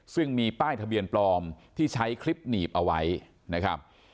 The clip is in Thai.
ซึ่งมีป้ายทะเบียนปลอมที่ใช้คลิปหนีบเอาไว้นะครับ